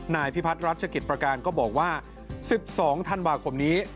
นายพิพัฒน์รัชกิจประการก็บอกว่า๑๒ธันวาคมนี้